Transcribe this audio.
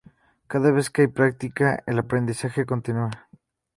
Cada vez que hay práctica, el aprendizaje continúa.